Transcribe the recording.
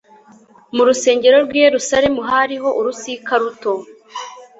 Mu rusengero rw'i Yerusalemu hariho urusika ruto